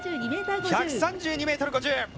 １３２ｍ５０。